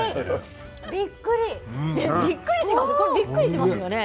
びっくりしますよね。